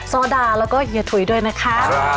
ซอดาค่ะ